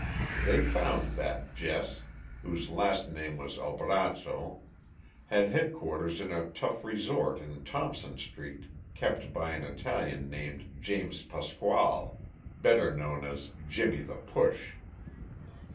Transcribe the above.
They found that Jess, whose last name was Albrazzo, had headquarters in a tough resort in Thompson street, kept by an Italian named James Pasqualle, better known as "Jimmie the Push."